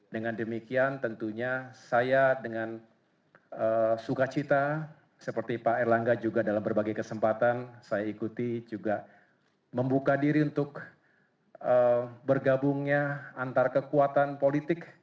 dengan demikian tentunya saya dengan sukacita seperti pak erlangga juga dalam berbagai kesempatan saya ikuti juga membuka diri untuk bergabungnya antar kekuatan politik